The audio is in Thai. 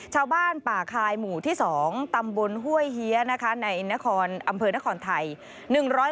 ชาวบ้านป่าคายหมู่ที่๒ตำบลห้วยเฮียนะคะในอำเภอนครไทย